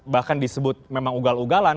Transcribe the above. bahkan disebut memang ugal ugalan